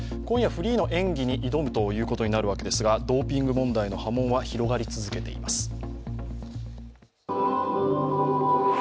今夜フリーの演技に挑むことになるわけですが、ドーピング問題の波紋は広がり続けています。